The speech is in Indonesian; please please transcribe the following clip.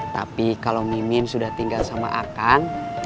tapi kalau mimin sudah tinggal sama akan